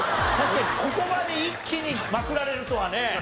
確かにここまで一気にまくられるとはね。